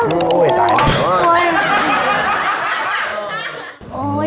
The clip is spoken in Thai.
หุ้ยตายแล้ว